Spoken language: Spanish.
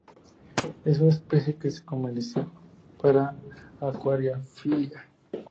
Es una especie que se comercializa para acuariofilia.